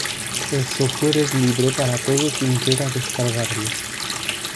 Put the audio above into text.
El software es libre para todo quien quiera descargarlo.